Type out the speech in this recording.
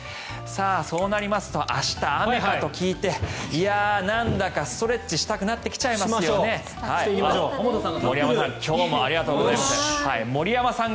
そうなりますと明日、雨かと聞いていやあ、なんだかストレッチしたくなってきますね森山さん